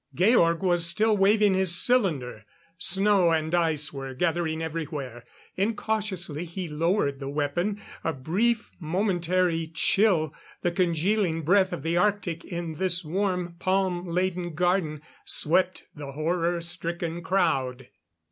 Georg was still waving his cylinder. Snow and ice were gathering everywhere. Incautiously he lowered the weapon; a brief, momentary chill the congealing breath of the Arctic in this warm palm laden garden swept the horror stricken crowd.